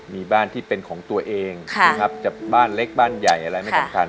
มีบ้านที่เป็นของตัวเองจากบ้านเล็กบ้านใหญ่อะไรไม่จำกัน